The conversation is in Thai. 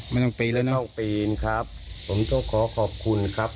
มันยังปีนแล้วเนาะต้องปีนครับผมต้องขอขอบคุณครับ